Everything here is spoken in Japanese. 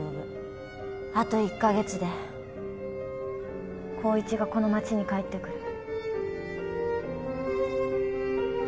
あと１カ月で光一がこの街に帰ってくる。